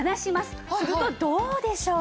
するとどうでしょう。